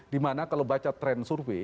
dimana kalau baca tren survei